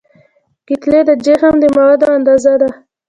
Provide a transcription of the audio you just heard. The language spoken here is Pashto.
کتلې د جسم د موادو اندازه ده.